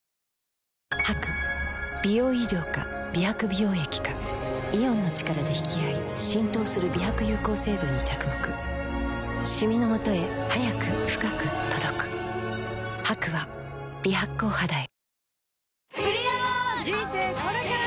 タイミングイオンの力で引き合い浸透する美白有効成分に着目シミのもとへ早く深く届く人生これから！